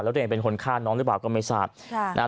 แล้วได้เห็นเป็นคนฆ่าน้องหรือเปล่ากำเมษา